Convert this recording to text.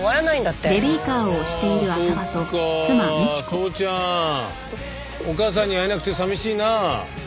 宗ちゃんお母さんに会えなくて寂しいな。